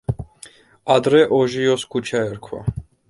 ადრე ოჟიოს ქუჩა ერქვა.